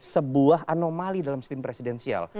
sebuah anomali dalam sistem presidensial